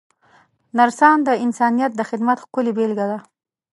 نرسان د انسانیت د خدمت ښکلې بېلګه ده.